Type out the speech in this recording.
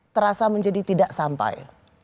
terasa menjadi tidak sampai